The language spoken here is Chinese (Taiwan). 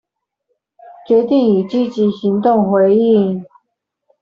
決定以積極行動回應